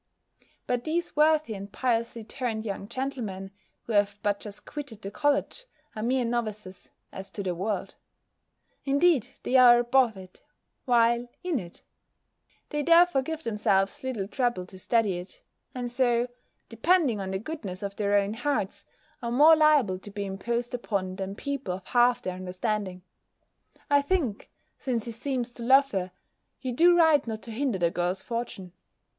But these worthy and piously turned young gentlemen, who have but just quitted the college, are mere novices, as to the world: indeed they are above it, while in it; they therefore give themselves little trouble to study it, and so, depending on the goodness of their own hearts, are more liable to be imposed upon than people of half their understanding. I think, since he seems to love her, you do right not to hinder the girl's fortune.